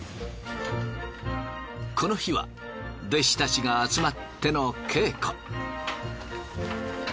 この日は弟子たちが集まっての稽古。